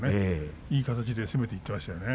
いい形で攻めていきましたね。